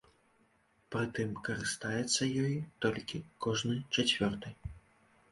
Пры тым карыстаецца ёй толькі кожны чацвёрты.